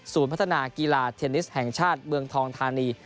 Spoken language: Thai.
พัฒนากีฬาเทนนิสแห่งชาติเมืองทองธานี